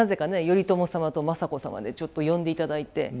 頼朝様と政子様でちょっと呼んでいただいて。